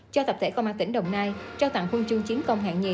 cho tập thể công an tỉnh đồng nai trao tặng huân chương chiến công hạng nhì